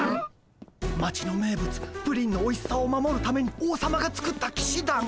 町の名物プリンのおいしさを守るために王様が作ったきしだん。